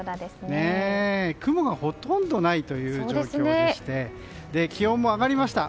雲がほとんどないという状況でして気温も上がりました。